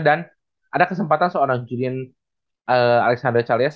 dan ada kesempatan seorang julian alexander chalias